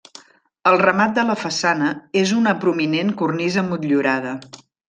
El remat de la façana és una prominent cornisa motllurada.